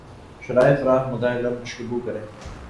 شرح فراق مدح لب مشکبو کریں